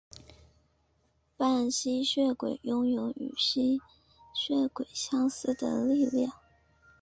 半吸血鬼拥有与吸血鬼相似的力量。